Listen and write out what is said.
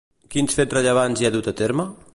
Quins fets rellevants hi ha dut a terme?